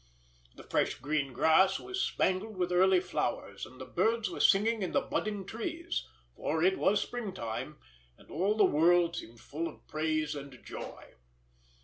The fresh green grass was spangled with early flowers, and the birds were singing in the budding trees; for it was spring time, and all the world seemed full of praise and joy.